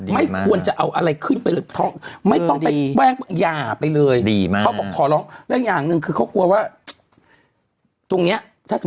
ไม่เอาเข้าไปเลย